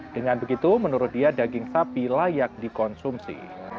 dengan begitu menurut dia daging sapi layak dikonsumsi